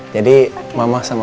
jadi ada jadi